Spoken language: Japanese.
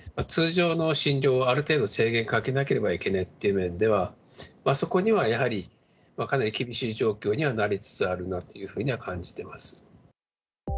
通常の診療をある程度、制限かけないといけないっていう面では、そこにはやはり、かなり厳しい状況にはなりつつあるなというふうに感じております。